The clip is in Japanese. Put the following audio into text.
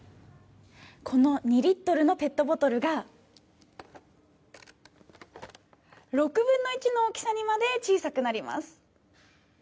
この２リットルのペットボトルが６分の１の大きさにまで小さくなります。